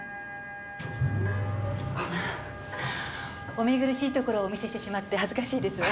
お見苦しいところをお見せしてしまって恥ずかしいですわ。